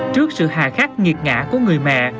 trước sự hà khát nghiệt ngã của người mẹ